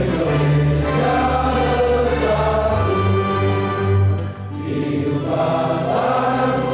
bangsa kehilangnya bangsa badannya